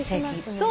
そう。